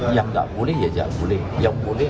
yang nggak boleh ya boleh yang boleh